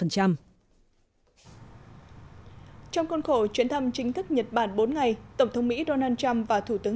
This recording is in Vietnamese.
trong khuôn khổ chuyến thăm chính thức nhật bản bốn ngày tổng thống mỹ donald trump và thủ tướng